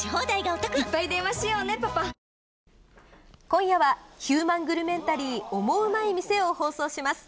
今夜は、ヒューマングルメンタリー、オモウマい店を放送します。